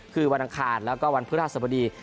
คือวันอังคารแล้วก็วันพฤหัสบดี